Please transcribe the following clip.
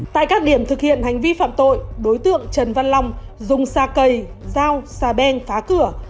tại các điểm thực hiện hành vi phạm tội đối tượng trần văn long dùng xà cây dao xà beng phá cửa